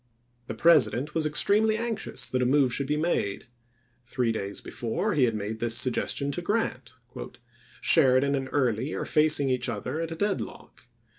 The President was extremely anxious that a move should be made. Three days before he had made this suggestion to Grant :" Sheridan and Early are facing each other at a dead lock.